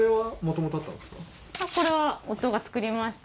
これは夫が作りました。